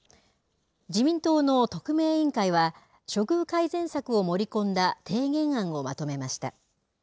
自民党の特命委員会は、処遇改善策を盛り込んだ提言案をまとめました。